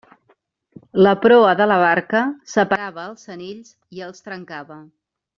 La proa de la barca separava els senills i els trencava.